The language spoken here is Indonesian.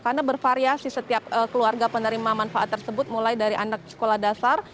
karena bervariasi setiap keluarga penerima manfaat tersebut mulai dari anak sekolah dasar